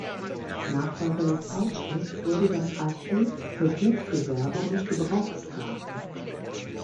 Nachfolger der Zeitschrift wurde das Archiv für Buchgewerbe und Gebrauchsgraphik.